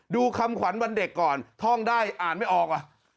ดูคำขวัญวันเด็กก่อนท่องได้อ่านไม่ออก